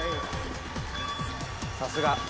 さすが！